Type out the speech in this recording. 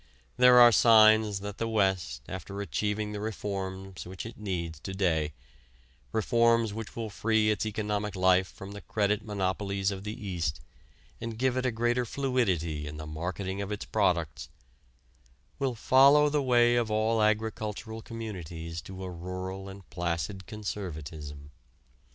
There are signs that the West after achieving the reforms which it needs to day reforms which will free its economic life from the credit monopolies of the East, and give it a greater fluidity in the marketing of its products will follow the way of all agricultural communities to a rural and placid conservatism.